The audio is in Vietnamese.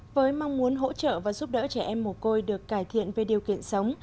với mong muốn hỗ trợ và giúp đỡ trẻ em mồ côi được cải thiện về điều kiện sống